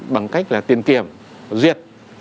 bằng cách là tiền kiểm duyệt